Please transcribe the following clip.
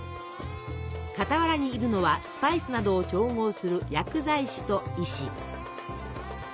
傍らにいるのはスパイスなどを調合する薬剤師と医師。